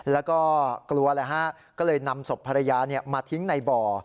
แล้วก็กลัวก็เลยนำศพภรรยามาทิ้งในบ่อ